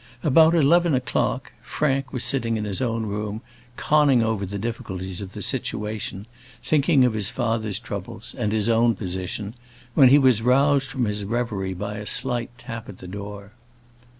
About eleven o'clock, Frank was sitting in his own room, conning over the difficulties of the situation thinking of his father's troubles, and his own position when he was roused from his reverie by a slight tap at the door.